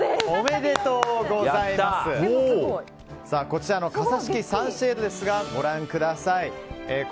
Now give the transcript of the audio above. こちらの傘式サンシェードですがご覧ください。